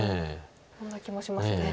そんな気もしますね。